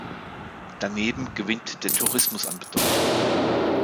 Daneben gewinnt der Tourismus an Bedeutung.